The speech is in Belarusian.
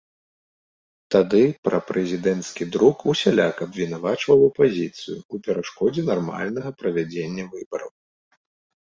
Тады прапрэзідэнцкі друк усяляк абвінавачваў апазіцыю ў перашкодзе нармальнага правядзення выбараў.